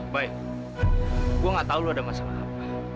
baik gue gak tau lu ada masalah apa